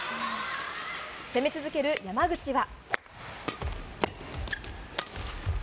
攻め続ける山口は。